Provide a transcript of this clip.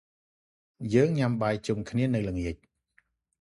យើងញ៉ាំបាយជុំគ្នានៅល្ងាច។